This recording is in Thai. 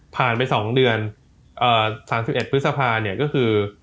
ไป๒เดือน๓๑พฤษภาเนี่ยก็คือ